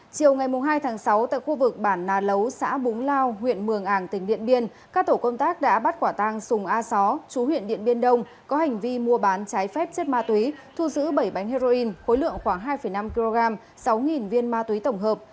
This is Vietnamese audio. chiều ngày hai tháng sáu tại khu vực bản nà lấu xã búng lao huyện mường ảng tỉnh điện biên các tổ công tác đã bắt quả tang sùng a só chú huyện điện biên đông có hành vi mua bán trái phép chất ma túy thu giữ bảy bánh heroin khối lượng khoảng hai năm kg sáu viên ma túy tổng hợp